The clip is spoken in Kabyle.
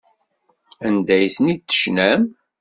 Anda ay ten-id-tecnam?